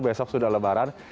besok sudah lebaran